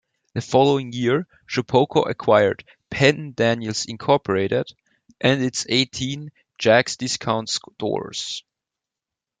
The following year, Shopko acquired Penn-Daniels Incorporated and its eighteen Jacks Discount Stores.